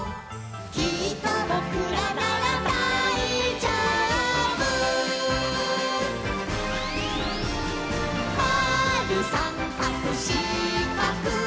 「きっとぼくらならだいじょうぶ」「まるさんかくしかく」